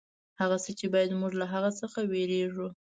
هغه څه چې باید موږ له هغه څخه وېرېږو.